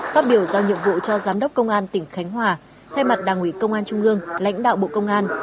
phát biểu giao nhiệm vụ cho giám đốc công an tỉnh khánh hòa thay mặt đảng ủy công an trung ương lãnh đạo bộ công an